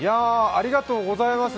ありがとうございます。